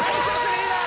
リーダー